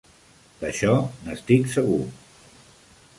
D'això n'estic segur.